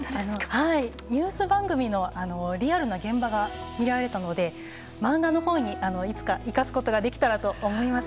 ニュース番組のリアルな現場が見られたので漫画のほうにいつか生かすことができたらと思います。